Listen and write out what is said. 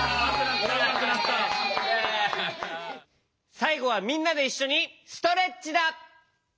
さいごはみんなでいっしょにストレッチだ！